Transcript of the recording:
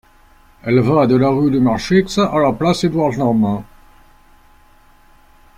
Elle va de la rue du Marchix à la place Édouard-Normand.